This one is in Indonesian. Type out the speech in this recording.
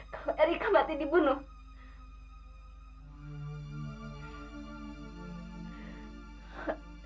kalau erika mati dibunuh